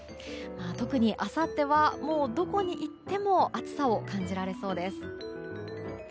特に、あさってはもうどこに行っても暑さを感じられそうです。